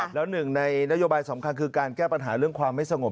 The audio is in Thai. แล้วหนึ่งในนโยบายสำคัญคือการแก้ปัญหาเรื่องความไม่สงบ